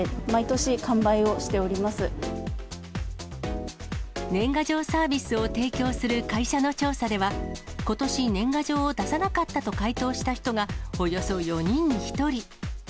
年賀状サービスを提供する会社の調査では、ことし、年賀状を出さなかったと回答した人がおよそ４人に１人。